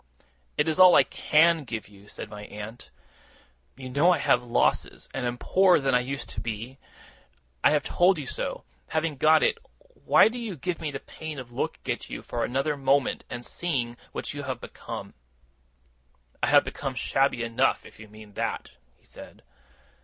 'It is all I CAN give you,' said my aunt. 'You know I have had losses, and am poorer than I used to be. I have told you so. Having got it, why do you give me the pain of looking at you for another moment, and seeing what you have become?' 'I have become shabby enough, if you mean that,' he said.